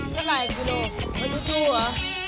เมื่อไหร่กิโลไม่ต้องดูเหรอ